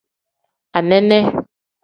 Anene.